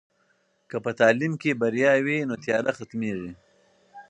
که په تعلیم کې بریا وي، نو تیاره ختمېږي.